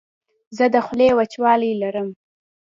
زه د خولې وچوالی لرم.